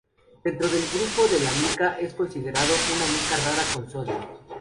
Dentro del grupo de la mica es considerado una mica rara con sodio.